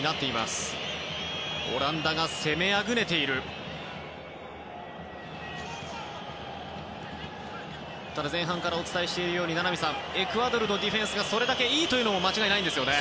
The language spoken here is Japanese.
ただ名波さん、前半からお伝えしているようにエクアドルのディフェンスがそれだけいいというのも間違いないですね。